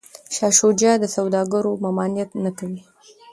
شاه شجاع د سوداګرو ممانعت نه کوي.